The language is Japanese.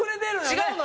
違うのよ。